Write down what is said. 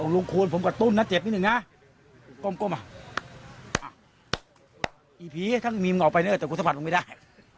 ลุงคูณผมกระตุ้นนะเจ็บนิดหนึ่งนะก้มอ่ะอีผีถ้าไม่มีมันออกไปเนี่ยจากกุศภัณฑ์ผมไม่ได้